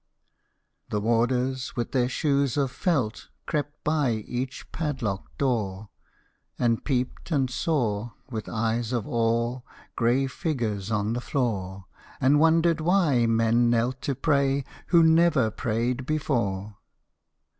The Warders with their shoes of felt Crept by each padlocked door, And peeped and saw, with eyes of awe, Grey figures on the floor, And wondered why men knelt to pray Who never prayed before.